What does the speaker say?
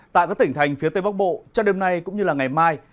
tại các tỉnh thành phía tây bắc bộ trong đêm nay cũng như ngày mai